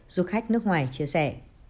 du khách nước ngoài chia sẻ